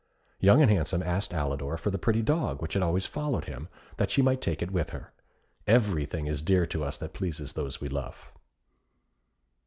Young and Handsome asked Alidor for the pretty dog which had always followed him, that she might take it with her. Everything is dear to us that pleases those we love.